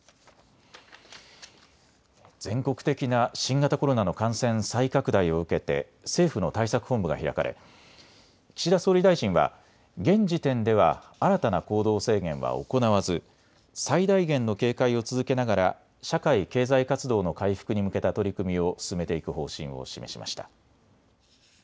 全国的な新型コロナの感染再拡大を受けて政府の対策本部が開かれ岸田総理大臣は現時点では新たな行動制限は行わず最大限の警戒を続けながら社会経済活動の回復に向けた取り組みを進めていく方針を示しました。